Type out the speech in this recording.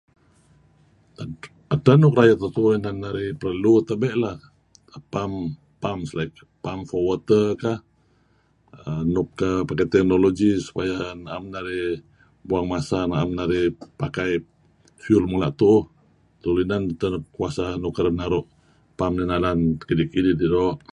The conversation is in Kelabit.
Edteh nuk rayeh tuu-tuuh nuk perlu tabe' lah, pump ko water kah, nuk pakai teknologi supaya naem narih buang masa narih pakai fuel mula' tuuh. Tulu inan kuasa nuk kereb naru' pum dih nalan kidik-kidih teh doo'.